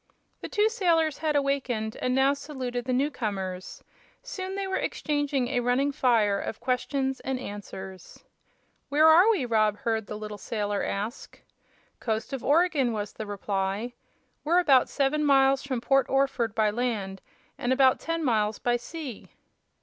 The two sailors had awakened and now saluted the new comers. Soon they were exchanging a running fire of questions and answers. "Where are we?" Rob heard the little sailor ask. "Coast of Oregon," was the reply. "We're about seven miles from Port Orford by land an' about ten miles by sea."